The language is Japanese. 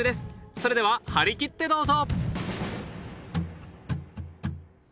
それでは張り切ってどうぞ！